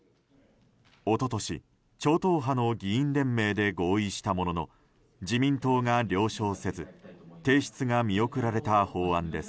一昨年、超党派の議員連盟で合意したものの自民党が了承せず提出が見送られた法案です。